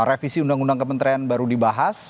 revisi undang undang kementerian baru dibahas